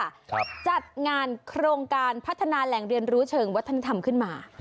จัดงานโครงการพัฒนาแหล่งเรียนรู้เชิงวัฒนธรรมขึ้นมา